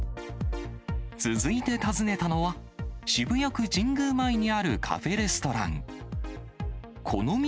続いて訪ねたのは、渋谷区神宮前にあるカフェレストラン。